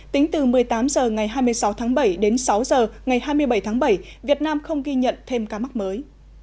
tính từ một mươi tám h ngày hai mươi sáu tháng bảy đến sáu h ngày hai mươi bảy tháng bảy việt nam không ghi nhận thêm ca mắc mới